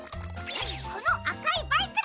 このあかいバイクだ！